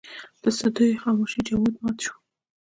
د صدېو خاموشۍ جمود مات شو.